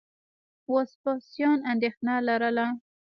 وسپاسیان اندېښنه لرله.